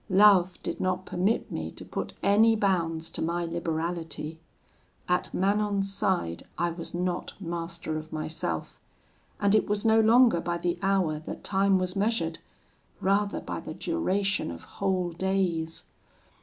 Love did not permit me to put any bounds to my liberality. At Manon's side I was not master of myself; and it was no longer by the hour that time was measured; rather by the duration of whole days.